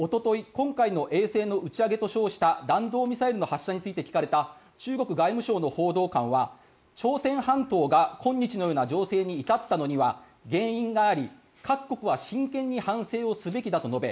今回の衛星の打ち上げと称した弾道ミサイルの発射について聞かれた中国外務省の報道官は朝鮮半島が今日のような情勢に至ったのには原因があり、各国は真剣に反省をすべきだと述べ